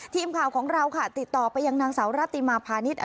ทีมข่าวของเราค่ะติดต่อไปยังนางสาวรัติมาพาณิชย์